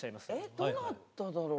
どなただろう？